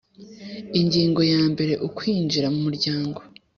Ingingo ya mbere Ukwinjira mu Umuryango